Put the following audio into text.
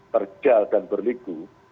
terjal dan berliku